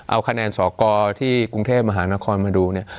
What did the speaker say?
เอาคะแนนสกที่กรุงเทพมหานครมาดูเนี่ย